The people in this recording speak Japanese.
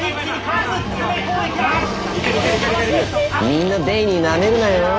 みんなデイニーなめるなよ。